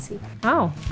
iya banyak ngelamun sih